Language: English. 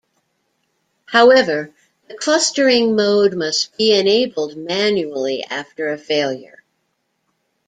However, the clustering mode must be enabled manually after a failure.